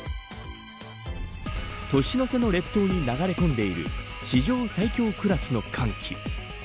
年の瀬の列島に流れ込んでいる史上最強クラスの寒気。